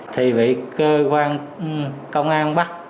thì bị cơ quan công an bắt